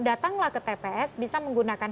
datanglah ke tps bisa menggunakan